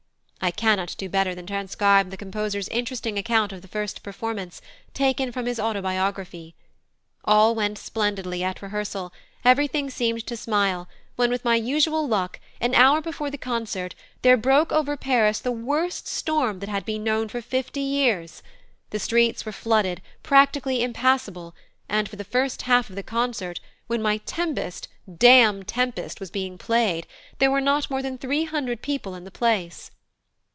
I cannot do better than transcribe the composer's interesting account of the first performance, taken from his Autobiography: "All went splendidly at rehearsal; everything seemed to smile, when, with my usual luck, an hour before the concert, there broke over Paris the worst storm that had been known for fifty years. The streets were flooded, practically impassable, and for the first half of the concert when my Tempest, damned Tempest, was being played, there were not more than three hundred people in the place."